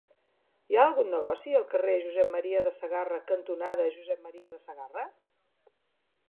Hi ha algun negoci al carrer Josep M. de Sagarra cantonada Josep M. de Sagarra?